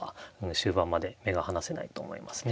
終盤まで目が離せないと思いますね。